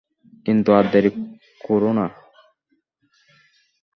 কিন্তু আর দেরি কোরো না।